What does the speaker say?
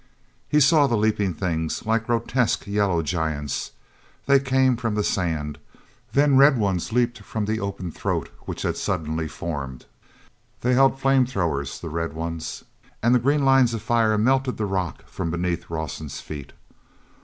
He saw the leaping things, like grotesque yellow giants. They came from the sand; then red ones leaped up from the open throat that had suddenly formed. They held flame throwers, the red ones; and the green lines of fire melted the rock from beneath Rawson's feet.